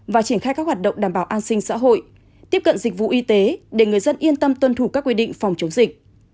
và triển khai các hoạt động đảm bảo an sinh xã hội tiếp cận dịch vụ y tế để người dân yên tâm tuân thủ các quy định phòng chống dịch